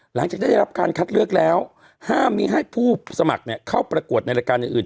หลังจากได้รับการคัดเลือกแล้วห้ามมีให้ผู้สมัครเข้าประกวดในรายการอื่น